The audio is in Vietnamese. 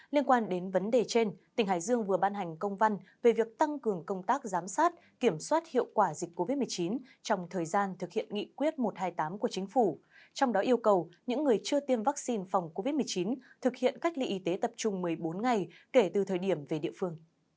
liên quan đến vấn đề trên tỉnh hải dương vừa ban hành công văn về việc tăng cường công tác giám sát kiểm soát hiệu quả dịch covid một mươi chín trong thời gian thực hiện nghị quyết một trăm hai mươi tám của chính phủ trong đó yêu cầu những người chưa tiêm vaccine phòng covid một mươi chín thực hiện cách ly y tế tập trung một mươi bốn ngày kể từ thời điểm về địa phương